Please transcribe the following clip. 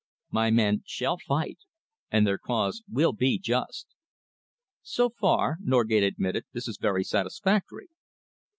My men shall fight, and their cause will be just." "So far," Norgate admitted, "this is very satisfactory."